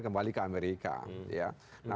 kembali ke amerika